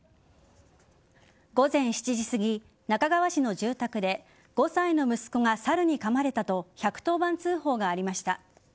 午前７時すぎ那珂川市の住宅で５歳の息子がサルにかまれたと１１０番通報がありました。